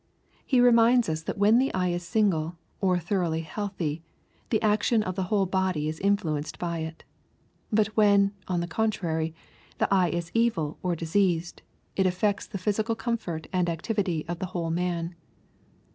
He reminds us that when the eye is " single/' or thoroughly healthy, the action of the whole body is influenced by it. But when, on the contrary, the eye is evil or diseased, it affects the physical comfort and activity of the whole man.